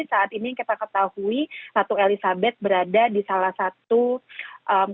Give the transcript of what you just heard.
saat ini yang kita ketahui ratu elizabeth berada di salah satu tempat